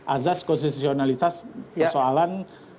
azas konstitusionalitas persoalan